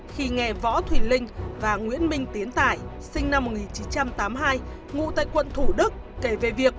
khi nghe võ thùy linh và nguyễn minh tiến tải sinh năm một nghìn chín trăm tám mươi hai ngụ tại quận thủ đức kể về việc